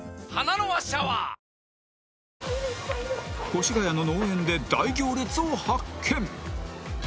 越谷の農園で大行列を発見